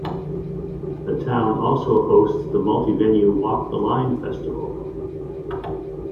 The town also hosts the multi-venue Walk the line festival.